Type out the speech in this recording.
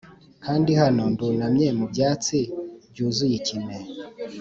kandi hano ndunamye mu byatsi byuzuye ikime,